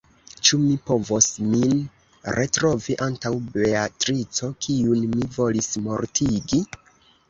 Ĉu mi povos min retrovi antaŭ Beatrico, kiun mi volis mortigi?